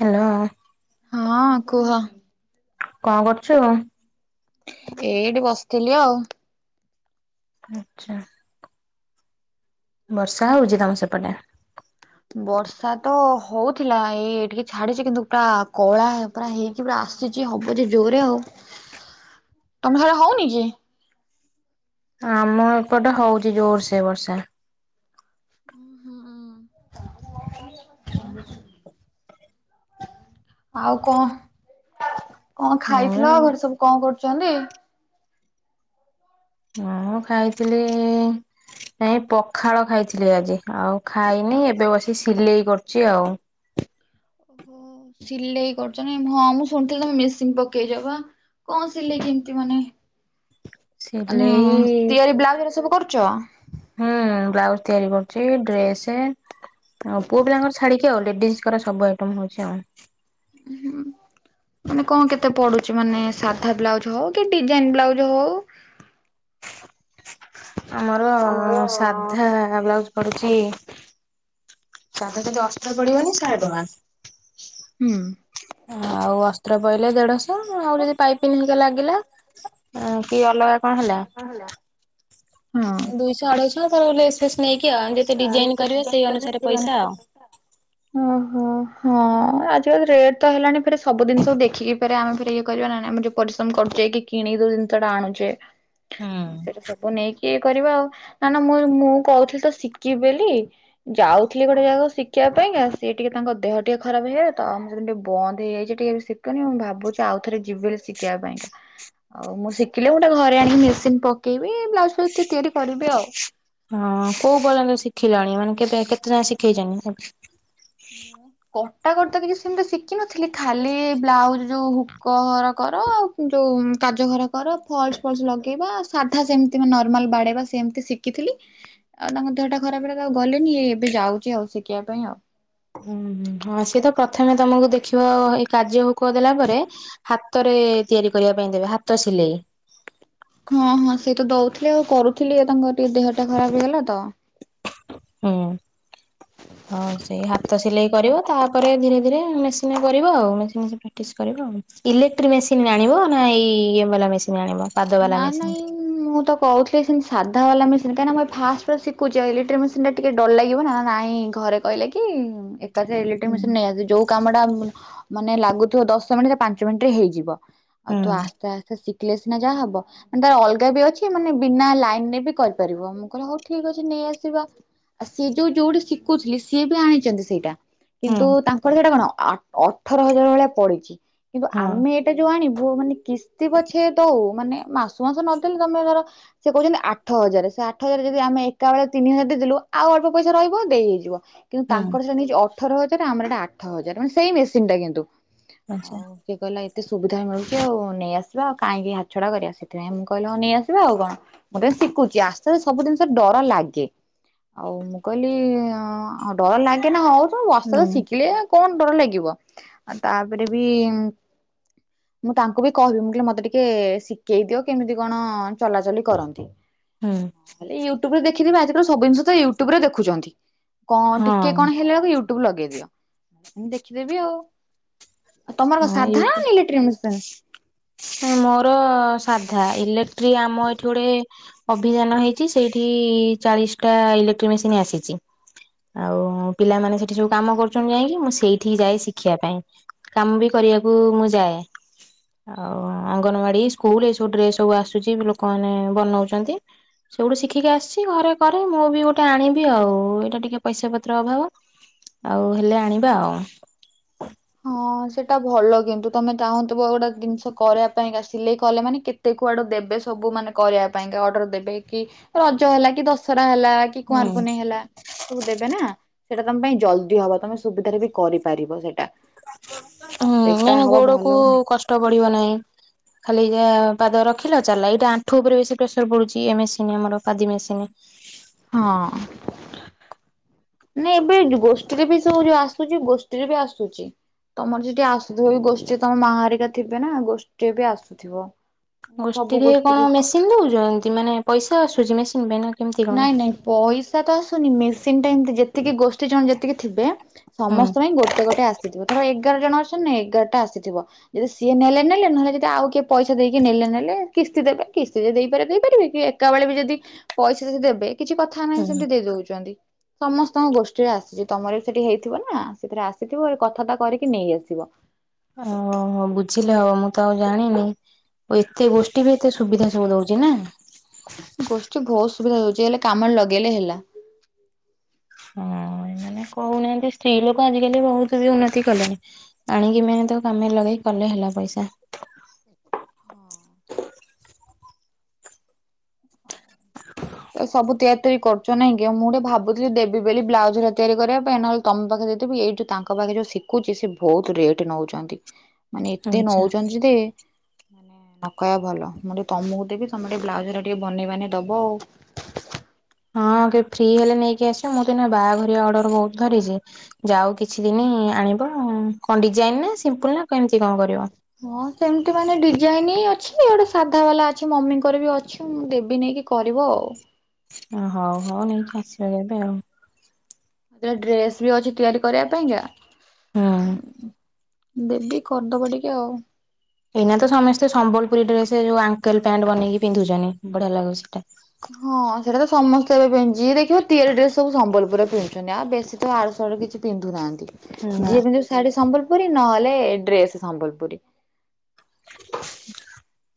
Hello. ହଁ କୁହ। କଣ କରୁଛୁ? ଏଇଠି ବସିଥିଲି ଆଉ ଆଚ୍ଛା। ବର୍ଷା ହଉଛି ତମ ସେପଟେ? ବର୍ଷା ତ ହଉଥିଲା ଏଇ ଟିକେ ଛାଡିଛି କିନ୍ତୁ ପୁରା କଳା ପୁରା ହେଇକି ଆସିଛି ହବ ଯେ ଜୋରେ ଆଉ [unintelligible] ତମ ଘରେ ହଉନି କି? ଆମ ଏପଟେ ହଉଛି ଜୋର ସେ ବର୍ଷା। [unintelligible] ଆଉ କଣ କଣ ଖାଇଥିଲ ମୁଁ ଘରେ ସବୁ କଣ କରୁଛନ୍ତି? ହଁ ଖାଇଥିଲି ନାଇ ପଖାଳ ଖାଇଥିଲି ଆଜି ଆଉ ଖାଇନି ଏବେ ବସି ସିଲେଇ କରୁଛି ଆଉ। ଓହୋ ସିଲେଇ କରୁଛ ନାଇ ହଁ ମୁଁ ଶୁଣିଥିଲି ତମେ ମେସିନ ପକେଇଛପା? କଣ ସିଲେଇ କେମତି ମାନେ? [unintelligible] ମାନେ ତିଆରି ବ୍ଲାଉଜ ହେରିକା ସବୁ କରୁଛ? ହୁଁ ବ୍ଲାଉଜ ତିଆରି କରୁଛି ଡ୍ରେସ ଆଉ ପୁଅ ପିଲାଙ୍କର ଛାଡିକି ଆଉ ଲେଡିଜଙ୍କ ସବୁ ଆଇଟମ୍ ହଉଛି ଆଉ। ଉ ହୁଁ। ମାନେ କଣ କେତେ ପଡୁଛି ମାନେ ସାଧା ବ୍ଲାଉଜ ହଉ କି ଡିଜାଇନ ବ୍ଲାଉଜ ହଉ? ଆମର ସାଧା ବ୍ଲାଉଜ ପଡୁଛି ସାଧା ଯଦି ଅସ୍ତ୍ର ପଡିବନି ଶହେ ଟଙ୍କା। ହୁଁ ଆଉ ଅସ୍ତ୍ର ପଡିଲେ ଦେଢଶ। ହ ଆହୁରି ଯଦି ପାଇପିନ ହେରିକା ଲାଗିଲା କି ଅଲଗା କଣ ହେଲା? ହଁ ହେଲା। ଦୁଇଶହ ଅଢେଇଶହ ତାର ଲେସ ଫେସ୍ ନେଇକି ଆଉ ଯେତେ ଡିଜାଇନ କରିବେ ସେଇ ଅନୁସାରେ ପଇସା ଆଉ? ଓହୋ ହଁ ଆଜିକାଲି ରେଟ ତ ହେଲାଣି ଫରେ ସବୁ ଜିନିଷକୁ ଦେଖିକି ଆମେ ଫେରେ ଇଏ କରିବା ନାହିଁ ଆମେ ଯୋଉ ପରିଶ୍ରମ କରୁଛେ କିଣିକି ଯୋଉ ଜିନିଷଟା ଆଣୁଛେ? ସେଇଟା ସବୁ ନେଇକି ଇଏ କରିବା ଆଉ ନା ନା ମୁଁ ମୁଁ କହୁଥିଲି ତ ଶିଖିବି ବୋଲି? ଯାଉଥିଲି ଗୋଟେ ଜାଗାକୁ ଶିଖିବା ପାଇଁ ସିଏ ଟିକେ ତାଙ୍କ ଦେହ ଟିକେ ଖରାପ ହେଇଯାଇଛି ତ ଆମ ସେ ଟିକେ ବନ୍ଦ ହେଇଯାଇଛି ଟିକେ ଶିଖନି ମୁଁ ଭାବୁଛି ଆଉ ଥରେ ଯିବ ଶିଖିବା ପାଇଁକା। ହଉ ମୁଁ ଶିଖିଲି ମୁଁ ଗୋଟେ ଘରେ ଆଣିକି ମେସିନ ପକେଇବି ବ୍ଲାଉଜ ପ୍ଲାଉଜ୍ ତିଆରି କରିବି ଆଉ ହଁ କୋଉ ପର୍ଯ୍ୟନ୍ତ ଶିଖିଲାଣି ମାନେ କେବେ କେତେ ଯା ଶିଖେଇଛନ୍ତି? ହ କଟାକଟିତ କିଛି ସେମିତି ଶିଖିନଥିଲି ଖାଲି ବ୍ଲାଉଜ ଯୋଉ ହୁକର କର ଆଉ ଯୋଉ କାଯଘର କର ଫଲସ ଫଲସ ଲଗେଇବା ସାଧା ସେମିତି ନର୍ମାଲ ବାଡେଇବା ସେମିତି ଶିଖ ଶିଖିଥିଲି ଆଉ ତାଙ୍କ ଦେହଟା ଖରାପ ହେଲା ତ ଆଉ ଗଲିନି ଏ ଏବେ ଯାଉଛି ଆଉ ଶିଖିବା ପାଇଁ ଆଉ ହୁ ଓଁ ହଁ ସିଏ ତ ପ୍ରଥମେ ତମକୁ ଦେଖିବ ଏ କାର୍ଯ୍ୟ ହୁକ ଦେଲା ପରେ ହାତରେ ତିଆରି କରିବା ପାଇଁ ଦେବେ ହାତ ସିଲେଇ ହଁ ହଁ ସେ ତ ଦଉଥିଲେ ଆଉ କରୁଥିଲି ତାଙ୍କର ଟିକେ ଦେହଟା ଖରାପ ହେଇଗଲା ତ ହୁଁ ହଉ ସେଇ ହାତ ସିଲେଇ କରିବ ତା ଧୀରେ ଧୀରେ ମେସିନରେ କରିବ ଆଉ ପ୍ରାଟିସ କରିବ ଆଉ ଇଲେକ୍ଟ୍ରିକ ମେସିନ ଆଣିବ ନା ଏଇ ଚଲା ମେସିନ ଆଣିବ। ପାଦ ବାଲା ନାଁ ମେସିନ? ନାଇଁ ମୁଁ ତ କହୁଥିଲି ସେନ୍ତି ସାଧା ବାଲା ମେସିନ୍ କାଇଁ ନା ମୁଁ ଏଇ ଫାଷ୍ଟେ ଶିକୁଚି ଆଉ ଇଲେଟ୍ରି ମେସି ସିନ୍ ଟା ଟିକେ ଡର ଲାଗିବ ନା ନାଇଁ ଘରେ କହିଲେ କି ଏକାଥରେ ଇଲେକ୍ଟ୍ରି ହୁଁ। ମେସିନ୍ ନେଇ ଆସେ ଯୋଉ କାମଟା ମାନେ ଲାଗୁଥୁବ ଦଶ ମିଣ୍ଟି ପାଞ୍ଚ ମିଣ୍ଟିରେ ହେଇଯିବ ଆଉ ତୁ ହୁଁ ଆସ୍ତେ ଆସ୍ତେ ଶି କିଲେ ଯାହା ହବ ମାନେ ତାର ଅଲଗା ବି ଅଛି ମାନେ ବିନା ଲାଇନ୍ ରେ ବି କରିପାରିବ। ମୁଁ କହିଲି ହଉ ଠିକ୍ ଅଛି ନେଇଆସିବା। ଆ ସିଏ ଯୋଉ ଯୋଉଠି ଶିକୁଥିଲି ସିଏ ବି ଆଣିଚନ୍ତି ସେଇଟା ହୁଁ କିନ୍ତୁ ତାଙ୍କର ସେଟା କଣ ଆ ଅଠର ହଜାର ଭଳିଆ ପଡ଼ିଚି କିନ୍ତୁ ହଁ ଆମେ ଟା ଯୋଉ ଆଣିବୁ ମାନେ କିସ୍ତି ପଛେ ଦଉ ମାନେ ମାସୁ ମାସ ନଦେଲେ ତମେ ଧର ସେ କୋହୁଚନ୍ତି ଆଠ ହଜାରେ। ସେ ଆଠ ହଜାରେ ଯଦି ଆମେ ଏକା ଅଳେ ତିନି ହଜାର ଦେଇଦଲୁ ଆଉ ଅଳ୍ପ ପଇସା ରହିବ ଦେଇ ହେଇଯିବ। କିନ୍ତୁ ହଁ ତାଙ୍କର ସେଟା ନେଇଚି ଅଠର ହଜାରେ ଆମର ଏଟା ଆଠ ହଜାରେ ମାନେ ସେଇ ମେସିନ୍ ଟା କିନ୍ତୁ। ଆଚ୍ଛା। ତି କହିଲା ଏତେ ସୁବିଧା ମିଳୁଚି ଆଉ ନେଇଆସିବା, ଆଉ କାଇଁକି ହାତଛଡ଼ା କରିବା? ସେଥିପାଇଁ ମୁଁ କହିଲ ହଁ ନେଇଆସିବା ଆଉ କଣ ମୁଁ ତ ଏ ଶିକୁଚି ଆସ୍ତେ ସ୍ତେ ସବୁ ଜିନିଷ ଡର ଲାଗେ। ଆଉ ମୁଁ କହିଲି ଡର ଲାଗେନା ହଉ ତୁ ହୁଁ ବସ୍ତର ହୁଁ ଶିକିଲେ କଣ ଡର ଲାଗିବ? ଆ ତାପରେ ବି ମୁଁ ତାଙ୍କୁ ବି କହିବି ମୁଁ କହିଲି ମତେ ଟିକେ ଶି କେଇ ଦିଅ କେମିତି କଣ ଚଲାଚଲି କରନ୍ତି। ହଁ। ହେଲେ ୟୁଟୁବ୍ ରୁ ଦେଖିଦେବା ଆଜିକାଲି ସବୁ ଜିନଷ ତ ୟୁଟୁବ୍ ରେ ଦେଖୁଚନ୍ତି କଁ ଟିକେ ହଁ। କଣ ହେଲା ଅଳୁକୁ ୟୁ ଟୁବ୍ ଲଗେଇ ଦିଅ ଦେଖିଦେବି ଆଉ। ଆ ତମର କଁ ହଁ ସାଧା ନି ୟୁଟ୍ୟୁବ ଇଲେଟ୍ରି ମିଶା? ମୋର ସାଧା ଇଲେକ୍ଟ୍ରି ଆମ ଏଠି ଗୋଡ଼େ ଅଭିଯାନ ହେଇଚି ସେଇଠି ଚାଳିଶଟା ଇଲେକ୍ଟ୍ରି ମେସିନ୍ ଆସିଚି। ଆଉ ପିଲାମାନେ ସେଠି ସବୁ କାମ କରୁଚନ୍ତି ଯାଇକି ମୁଁ ସେଇଠି ଯାଏ ଶିଖିବା ପାଇଁ। କାମ ବି କରିବାକୁ ମୁଁ ଯାଏ। ଆଉ ଅଙ୍ଗନବାଡ଼ି ସ୍କୁଲ୍ ଏ ସବୁ ଡ୍ରେସ ସବୁ ଆସୁଚି ଲୋକମାନେ ବନଉଚନ୍ତି। ସେଉଠୁ ଶିଖିକି ଆସିଚି ଘରେ କରେ ମୁଁ ବି ଗୋଟେ ଆଣିବି ଆଉ ଏଇଟା ଟିକେ ପଇସା ପତ୍ର ଅଭାବ। ଆଉ ହେଲେ ଆଣିବା ଆଉ। ହଁ ସେଟା ଭଲ କିନ୍ତୁ ତମେ ତାହୁଁଥୁବ ଗୋଟେ ଦିନିଷ କରିବା ପାଇଁକା ସିଲେଇ କଲେ ମାନେ କେ ତେ କୁଆଡ଼ୁ ଦେବେ ସବୁ ମାନେ କରିବା ପାଇଁକା ଅର୍ଡ଼ର ଦେବେ କି ରଜ ହେଲା କି ଦଶହରା ହେଲା। କି ହୁଁ କୁଆଁର ପୂନେଇ ହେଲା ସବୁ ଦେବେ ନା ସେଟା ତମ ପାଇଁ ଜଲ୍ଦି ହବ ତମେ ସ୍ ଉବିଧାରେ ବି କରିପାରିବ ସେଟା। ହୁଁ ମେନ୍ ଗୋଡ଼କୁ ମାନେ କଷ୍ଟ ପଡ଼ିବ ନାହିଁ। ଖାଲି ଯାହା ପାଦ ରଖିଲ ଚାଲିଲା। ଏଇଟା ଆଣ୍ଠୁ ଓପରେ ବେଶି ପ୍ରେସର ପଡ଼ୁଚି ଏ ମେସିନି ଆମର ପାଦି ମେସିନି। ହଁ। ନାଇଁ ଏବେ ଗୋଷ୍ଠୀରେ ବି ସବୁ ଯୋଉ ଆସୁଚି ଗୋଷ୍ଠୀରେ ବି ଆସୁଚି। ତମର ସେଠି ଆସୁଥୁବ ବି ଗୋଷ୍ଠୀ ତମ ମା ହରିକା ଥିବେ ନା ଗୋଷ୍ଠୀ ବି ଆସୁଥିବ। ସବୁ ଗୋଷ୍ଠୀରେ ଗୋଷ୍ଠୀ କଣ କି ମେସିନ୍ ଦୋଉଚନ୍ତି ମାନେ ପଇସା ଆସୁଚି ମେସିନ୍ ପାଇଁ ନାଁ ନାଇଁ ନାଇଁ ପଇସା ତ ଆସୁନି ମେସିନ୍ ଟା ଏମତି ଯେତିକି ଗୋଷ୍ଠୀ ଜଣ ଯେତିକି ଥିବେ ହୁଁ ସମସ୍ତ ପାଇଁ ଗୋଟେ ଗୋଟେ ଆସିଥିବ ଧର ଏଗାର ଜଣ ଅଛନ୍ତି ନାଁ ଏଗାରଟା ଆସିଥିବ। ଯେଦି ସିଏ ନେଲେ ନେଲେ ନହେଲେ ଯେଦି ଆଉ କିଏ ପଇସା ଦେଇକି ନେଲେ ନେଲେ କିସ୍ତି ଦେବେ କିସ୍ତି ଯିଏ ଦେଇପାରିବେ ଦେଇପାରିବେ କି କା ବେଳେ ବି ଯେଦି ପଇସା ଯେଦି ଦେବେ କିଛି କଥା ନାହିଁ ହୁଁ। ସେମତି ଦେଇ ଦୋଉଚନ୍ତି। ସମସ୍ତଙ୍କ ଗୋଷ୍ଠୀରେ ଆସିଚି ତମର ବି ସେଠି ହେଇଥିବ ନା ସେଥିରେ ଆସିଥିବ ଏ କଥାବାର୍ତ୍ତା କରିକି ନେଇ ଆସିବ। ଓହୋ ହୋ ବୁଝିଲେ ହବ ମୁଁ ତ ଆଉ ଜାଣିନି। ଓ ଏତେ ଗୋଷ୍ଠୀ ବି ଏତେ ସୁବିଧା ସବୁ ଦଉଚି, ନା? ଗୋଷ୍ଠୀ ଭୋଉତ୍ ସୁବିଧା ଦୋଉଚି ହେଲେ କାମରେ ଲଗେଇଲେ ହେଲା। ହଁ ଏମାନେ କୋହୁନାହାନ୍ତି ସ୍ତ୍ରୀ ଲୋକ ଆଜିକାଲି ବୋହୁତ ବି ଉନ୍ନତି କଲେଣି। ଆଣିକି ମେନ ତାକୁ କାମରେ ଲଗେଇକି କଲେ ହେଲା ପଇସା। ହଁ ତ ସବୁ ତିଆରିତିଆରି କରୁଛ ନାଇଁ ଗିଅ ମୁଁ ଟିକେ ଭାବୁଥିଲି ଦେବି ବୋଲି ବ୍ଲାଉଜ ରା ତିଆରି କରିବା ପାଇଁ ନହେଲେ ତମ ପାଖରେ ଯଦି ବିି ଏଇ ଯୋଉ ତାଙ୍କ ପାଖେ ଯୋଉ ଶିଖୁଛି ସେ ବହୁତ ରେଟ୍ ନଉଛନ୍ତି। ମାନେ ଏତେ ଆଚ୍ଛା। ନଉଛନ୍ତି ଯଦି ନ କହିବା ଭଲ ମୁଁ ଟିକେ ତମକୁ ଦେବି ତମେ ଟିକେ ବ୍ଲାଉଜ ଉରା ଟିକେ ବନେଇ ବାନେଇ ଦବ ଆଉ। ହଁ ଟିକେ ଫ୍ରି ହେଲେ ନେଇକି ଆସିବ ମୁଁ ତ ଏଇ ନା ବାହାଘରିଆ ଅର୍ଡର ବହୁତ ଧରିଛି। ଯାଉ କିଛି ଦିନି ଆଣିବ କଣ ଡିଜାଇନ ନା ସିମ୍ପଲୁ ନା କେମିତି କଣ କରିବ? ହଁ ସେମିତି ମାନେ ଡିଜାଇନ ଅଛି ଗୋଟେ ସାଧା ବାଲା ଅଛି ମମିଙ୍କର ବି ଅଛି ମୁଁ ଦେବି ନେଇକି କରିବ ଆଉ। ଓ ହଉ ହଉ ନେଇକି ଆସିବା ଏବେ ଆଉ। ଦି ଟା ଡ୍ରେସ ବି ଅଛି ତିଆରି କରିବା ପାଇଁକା। ହୁଁ। ଦେବି କରିଦବ ଟିକେ ଆଉ। ଏଇନା ତ ସମସ୍ତେ ସମ୍ବଲପୁରୀ ଡ୍ରେସ ଯୋଉ ଆଙ୍କେଲ ପ୍ୟାଟ ବନେଇ କି ପିନ୍ଧୁଛନ୍ତି ବଢିଆ ଲାଗୁଛି ସେଇଟା। ହଁ ସେଇଟା ତ ସମସ୍ତେ ଏବେ ପିଧିଛି ଯିଏ ଦେଖିବ ତିଆରି ଡ୍ରେସ ସବୁ ସମ୍ବଲପୁରରେ ପିନ୍ଧୁଛନ୍ତି ଆଉ ବେଶୀ ତ ଆଡୁ ସାଡୁ କିଛି ପିନ୍ଧୁନାହାନ୍ତି ନା ଯିଏ ବିିନ୍ଧୁ ଶାଢୀ ସମ୍ବଲପୁରୀ ନହେଲେ ଡ୍ରେସ ସମ୍ବଲପୁରୀ।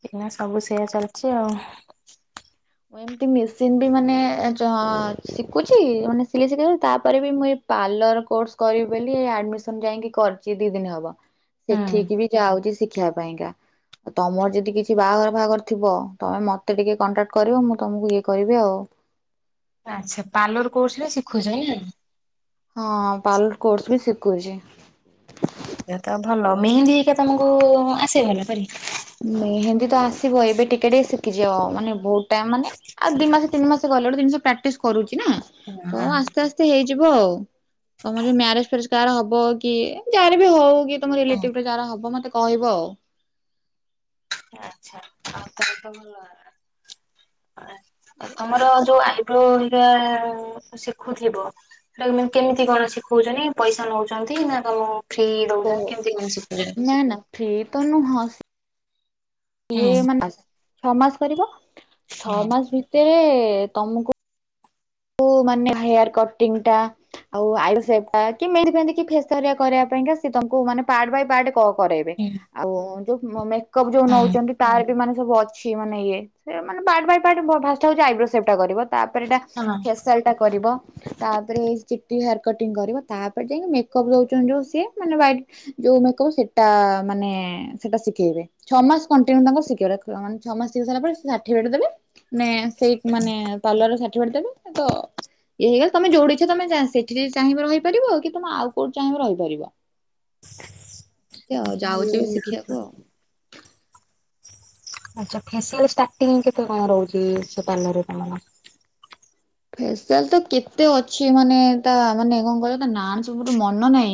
ଏଇନା ସବୁ ସେୟା ଚାଲିଛି ଆଉ। ମୁଁ ଏମତି ମେସିନ ବି ମାନେ ଚ ଅ - ଶିଖୁଛି ମାନେ ସିଲେଇ ଶିଖେଇ ତାପରେ ବି ମୁଁ ଏ ପାର୍ଲର କୋର୍ସ କରିବି ବୋଲି ଏଇ ଆଡମିସନ ଯାଇକି କରିଛି ଦି ଦିନି ହବ। ସେଠିକି ବି ଯାଉଛି ଶିଖିବା ପାଇଁକା। ଆଉ ତମର ଯଦି କିଛି ବାହାଘର ଫାଘର ଥିବ ତମେ ମତେ ଟିକେ କଣ୍ଟାକ୍ଟ କରିବ ମୁଁ ତମକୁ ଇଏ କରିବି ଆଉ। ଆଚ୍ଛା ପାର୍ଲର କୋସରେ ଶିଖୁଛାଇଁନା ହଁ ପାର୍ଲର କୋର୍ସ ବି ଶିଖୁଛି। ଏହା ତ ଭଲ ମେହେନ୍ଦୀ ହେଇକା ତମକୁ ଆସିବ ନା କରି? ମହେନ୍ଦୀ ତ ଆସିବ ଏବେ ଟିକେ ଟିକେ ଶିଖିଛିଅ ମାନେ ବହୁତ ଟାଇମ ମାନେ? ଆଉ ଦି ମାସ ତିନି ମାସ ଗଲେ ଗୋଟେ ଜିନିଷ ପ୍ରାକ୍ଟିସ କରୁଛି ନା ତ ହଁ ଆସ୍ତେ ଆସ୍ତେ ହେଇଯିବ ଆଉ। ତମର ଯୋଉ ମ୍ୟାରେଜ ଫ୍ୟାରେଜ କାହାର ହବ କି ଯାହାର ବି ହଉ କି ତମ ହୁଁ ରିଲେଟିଭ ରେ ଯାହାର ହବ ମତେ କହିବ ଆଉ। ଆଛା ଆଉ ତ ତ ଭଲ ଆ - ତମର ଯୋଉ [unintelligible] ଶିଖୁଥିବ ସେଟା ମାନେ କେମିତି କଣ ଶିଖଉଛନ୍ତି ପଇସା ନଉଛନ୍ତି ନା କାମ ଓ ନା ନା ଫ୍ରିତ ନୁହ ସ ସି ହୁଁ ଇଏ ମାନେ ଛଅ ମାସ କରିବ ହୁଁ ଛଅ ମାସ ଭିତରେ ତମକୁ କୁ ମାନେ ହାୟାର କଟିଂ ଟା ଆଉ ଆଇ ବ୍ରୋ ସେଭ୍ ଟା କି ମେହେନ୍ଦୀ ଫେହେନ୍ଦି କି ଫେସେରିଆ କରିବା ପାଇଁ ଙ୍କା ସେ ତମକୁ ମାନେ ପାଟ୍ ବାଇ ପାଟ୍ କ କରାଇବେ ହୁଁ ଆଉ ଯୋଉ ମ ମେକେଅପ ଯୋଉ ହୁଁ ନଉଛନ୍ତି ଟା ଯୋଉ ମାନେ ସବୁ ଅଛି ମାନେ ଇଏ ସେମାନେ ପାଟ୍ ବାଇ ପାଟ୍ ଭ ଭାଷ୍ଟ୍ ହୋଉଛି ଆଇବ୍ରୋ ସେଭ ଟା କରିଵ ତାପରେଟା ହଁ ମ ସେଇଟା କରିବ ତାପରେ ଚିଟି ହେୟାର କଟିଂ କରିବ ତାପରେ ଯାଇକି ମେକପ୍ ଦଉଛନ୍ତି ଯୋଉ ସିଏ ମାନେ [unintelligible] ଯୋଉ ମେକପ୍ ସେଟା ମାନେ ସେଟା ଶିଖେଇବେ ଛଅ ମାସ କଣ୍ଟିନ୍ୟୁ ତାଙ୍କର ଶିଖିବେ ଛଅ ମାସ ଶିଖି ସାରିଲା ପରେ ସେ ସାଠିଫି କେଟ୍ ଦେବେ ମାନେ ସେଇ ମାନେ ତଲର ଷାଠି ବାଢ ଦେବେ ତ ଇଏ ହେଇଗଲା ତମ ଯୋଉଠି ଇଛା ତମେ ସେଠିଯଦି ଚାହିବ ରହିପାରିବ କି ତମେ ଆଉ କୋଉ ଚାହିଁବ ରହିପାରିବ ଦେଖିଆଉ ଯାଉଛି ବି ଶିଖିବାକୁ ଆଉ ହ ଆଛା ଫ୍ୟାସନ୍ ଷ୍ଟାରଟିଂ କେତେ କଣ ରହୁଛି ସେ ପାର୍ଲରରେ ତମର? ଫେସିଆଲ ତ କେତେ ଅଛି ମାନେ ତା ମାନେ କଣ କହିଲ ତା ନା ସବୁ ମୋର ମନ ନାହିଁ।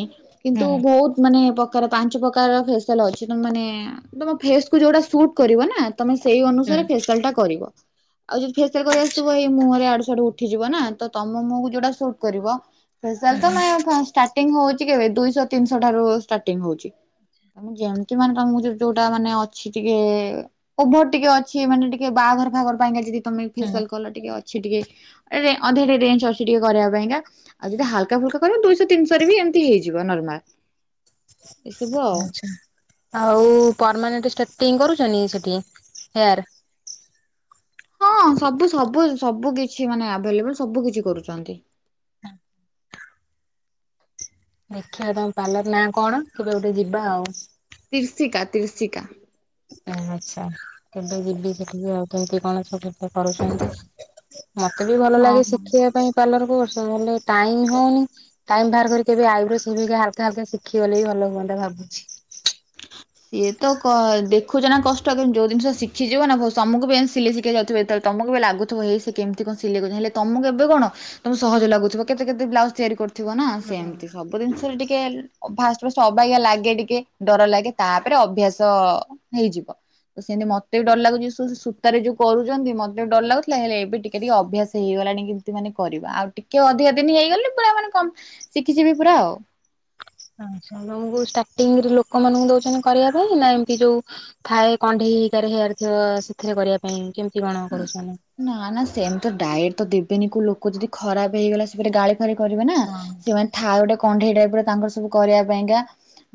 ହୁଁ କିନ୍ତୁ ବହୁତ ମାନେ ପ୍ରକାର ପାଞ୍ଚ ପ୍ରକାର ଫେସିଆଲ ଅଛି ତମେ ମାନେ ତମ ଫେସକୁୁ ଯୋଉଟା ସୁଟ୍ କରିବ ନା? ତମେ ସେଇ ହୁଁ ଅନୁସାରେ ଫେସିଆଲ୍ ଟା କରିବ ଆଉ ଯଦି ଫେସିଆଲ କରି ଆସିଥିବ ଏଇ ମୁହଁରେ ଆ ଉଠିଯିବନା ତ ତମ ମୁହଁକୁ ଯୋଉଟା ସୁଟ କରିବ ଫେଶିଆଲ୍ ତମେ ଷ୍ଟାର ଷ୍ଟାରଟିଂ ହଉଛି କେବେ ଦୁଇଶ ତିନିଶହରୁ ଷ୍ଟାରଟିଂ ହଉଛି। ମୁଁ ଯେମତି ମାନେ ତମକୁ ଜାଣିଛି ଯୋଉଟା ମାନେ ଅଛି ଟିକେ ଓଭର ଟିକେ ଅଛି ମାନେ ଟିକେ ବାହାଘର ଫାହାଘର ପାଇଁକା ଯଦି ତମେ ହୁଁ ଫେସିଆଲ କଲ ଟିକେ ଅଛି ଟିକେ ଅଧରେ ରେଞ୍ଜ ଅଛି ଟିକେ କରିବା ପାଇଁକା। ଆଉ ଯଦି ହାଲକା ଫୁଲକା କରିବ ଦୁଇଶ ତିିନିଶହରେ ବି ଏମିତି ହେଇଯିବ ନର୍ମାଲ। ଏସବୁ ଆଉ ଆଛା ଆଉ ପରମାନେଣ୍ଟ ଷ୍ଟ୍ରେଟନିଂ କରୁଛନ୍ତି ସେଠି ହେୟାର୍? ହଁ ସବୁ ସବୁ ସବୁ କିଛି ମାନେ ଆଭେଲେବଲ ସବୁ କିଛି କରୁଛନ୍ତି। ଦେଖିବା ତମ ପାର୍ଲର ନାଁ କଣ କେବେ ଗୋଟେ ଯିବା ଆଉ ତ୍ରିଶିକା ତ୍ରିଶିକା। ଆଚ୍ଛା କେବେ ଯିବି ସେଠିକି ଆଉ କେମିତି କଣ ଛୋଟ କରୁଛନ୍ତି ମତେ ବି ଭଲ ହଁ ଲାଗେ ହଁ ଶିଖିବା ପାଇଁ। ପାଲର କୋର୍ସ୍ ହେଲେ ଟାଇମ ହଉନି। ଟାଇମ ବାହାର କରି କେବେ ଆଇବ୍ରୋ ସେପ ହେରିକା ହାଲକା ହାଲକା ସିଖି ଗଲେ ବି ଭଲ ହୁଅନ୍ତା ଭାବୁଛି? ଇଏ ତ ଦେଖୁଛ ନା କଷ୍ଟ କେମିତି କୋଉ ଜିନିଷ ଶିଖିଯିବ ନା ତମୁକୁ ବି ସିଲେଇ ଶିଖେଇ ଯାଉଥିବେ ଏ ତମକୁ ବି ଲାଗୁଥିବ ଏଇସେ କେମିତି କଣ ସିଲେଇ କରୁଛନ୍ତିହେଲେ ତମକୁ ଏବେ କଣ? ତମକୁ ସହଜ ଲାଗୁିବ କେତେ ବ୍ଲାଉଜ ତିଆରି କରି ଥିବ ନା ସେମତି ସବୁ ଜିନିଷରେ ଟିକେ ଫାଷ୍ଟ ଫାଷ୍ଟ ଅବାଗିଆ ଲାଗେ ଟିକେ। ଡର ଲାଗେ ତାପରେ ଅଭ୍ୟାସ ହେଇଯିବ। ସେମିତି ମତେ ବି ଡର ଲାଗୁଛି ସୂତାରେ ଯୋଉ କରୁଛନ୍ତି ମତେ ବି ଡର ଲାଗୁଥିଲା ହେଲେ ଏବେ ଟିକେ ଟିକେ ଅଭ୍ୟାସ ହେଇଗଲାଣି କି? ମାନେ କରିବା ଆଉ ଟିକେ ଅଧିକା ଦିନ ହେଇଗଲେ ପୁରା ମାନେ କ ଶିଖିଯିବି ପୁରା ଆଉ ଆଛା ତମ ଷ୍ଟାର୍ଟିଙ୍ଗରେ ଲୋକମାନାନଙ୍କୁ ଦଉଛନ୍ତି କରିବା ପାଇଁ ନା ଏମତି ଯୋଉ ଥାଏ କଣ୍ଢେଇ ହେଇକାରେ ହେୟାର ଥିବ ସେଥିରେ କରିବା ପାଇଁ କେମିତି କଣ କରୁଛନ? ନା ନା ସେମିତି ଡାଏଟ ତ ଦେବେନି କୋଉ ଲୋକ ଯଦି ଖରାପ ହେଇଗଲା ସେ ଗାଳି କରିବେ ନା ସେମାନେ ଥାଏ ଗୋଟେ କଣ୍ଢେଇ ଟାଇପରେ ତାଙ୍କର ସବୁ କରିବା ପାଇଁକା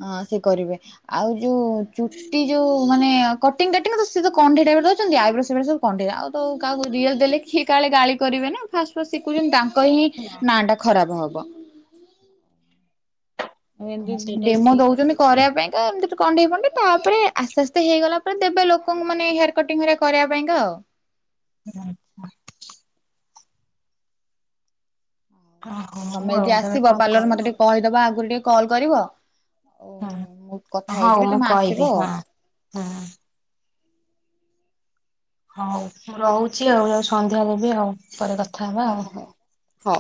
ଆ ସେ କରିବେ। ଆଉ ଯୋଉ ଚୁଟି ଯୋଉ ମାନେ କଟିଂ କାଟିଙ୍ଗ ତ ସ ତ କଣ୍ଢେଇ ଟାଇପର କରୁଛନ୍ତି ଆଉ ସେ ସବୁ ପଣ୍ଡିରା ଆଉ ତ କାହାକୁ ରିଅଲ୍ ଦେଲେ କିଏ କାଳେ ଗାଳି କରିବେ ନା ଫାଷ୍ଟ ଫାଷ୍ଟ ଶିଖୁଛନ୍ତି ତାଙ୍କ ହିଁ ନାଁ ଟା ଖରାପ ହବ। ଏମିତି ହଁ ସେଇଟା ବି ଡେମୋ ଠିକ। ଦଉଛନ୍ତି। କରିବା ପାଇଁକା ଏମିତି କଣ୍ଢେଇ ଫଣ୍ଡେଇ ତାପରେ ଆସ୍ତେ ଆସ୍ତେ ହେଇଗଲା ପରେ ଦେବେ ଲୋକଙ୍କୁ ମାନେ ଏ କଟିଂ ହେରିକା କରିବା ପାଇଁକା ଆଉ [inaudible] ହଉ ତମେ ଆଉ ଯଦି ଆସିବ କଣ ପାର୍ଲର କର ମତେ ଟିକେ କହିଦବ ଆଗରୁ ଟିକେ କଲ୍ କରିବ? ଆଉ ମୁଁ କଥା ହଁ ହଉ ହେଇଯିବି ମୁଁ ତମେ ଆସିବ କହିବି ଆଉ। ହଁ ହଁ। ହଉ ମୁଁ ରହୁଛି ଆଉ ଆଉ ସନ୍ଧ୍ୟାରେ ବି ଆଉ ପରେ କଥା ହେବା ହଁ ଆଉ। ହଁ ହଉ।